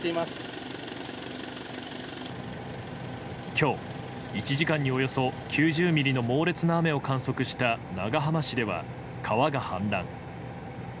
今日、１時間におよそ９０ミリの猛烈な雨を観測した長浜市では川が氾濫。